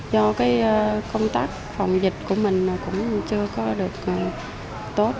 do cái công tác phòng dịch của mình cũng chưa có được tốt